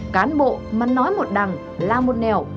cán bộ mà nói một đằng la một nèo